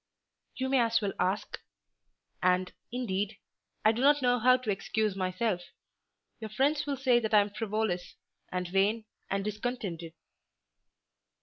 "You may well ask. And, indeed, I do not know how to excuse myself. Your friends will say that I am frivolous, and vain, and discontented."